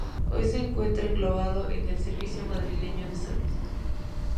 Hoy se encuentra englobado en el Servicio Madrileño de Salud.